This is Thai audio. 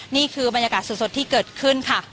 นี่คือบรรยากาศสดที่เกิดขึ้นค่ะ